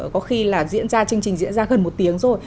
có khi là diễn ra chương trình diễn ra gần một tiếng rồi